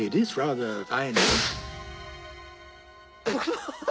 ハハハ。